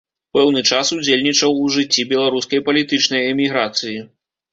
Пэўны час удзельнічаў у жыцці беларускай палітычнай эміграцыі.